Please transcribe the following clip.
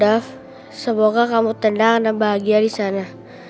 daf semoga kamu tenang dan bahagia disana